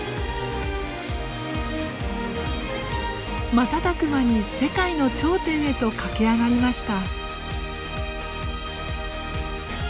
瞬く間に世界の頂点へと駆け上がりました。